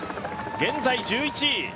現在１１位。